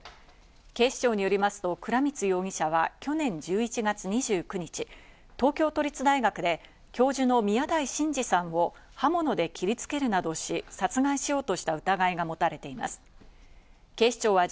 警視庁によりますと倉光容疑者は去年１１月２９日、東京都立大学で教授の宮台真司さんを刃物で切りつけるなどし、殺害しようとした疑いが持たれています。